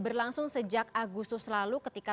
berlangsung sejak agustus lalu ketika